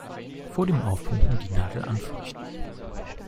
Vor dem Aufpumpen die Nadel anfeuchten.